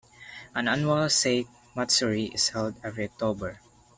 An annual sake matsuri is held every October.